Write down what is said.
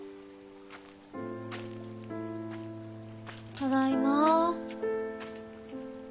ただいま。